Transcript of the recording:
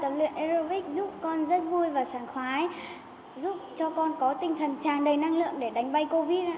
tập luyện aerobics giúp con rất vui và sẵn khoái giúp cho con có tinh thần tràn đầy năng lượng để đánh bay covid ạ